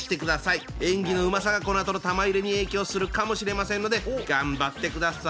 演技のうまさがこのあとの玉入れに影響するかもしれませんので頑張ってください。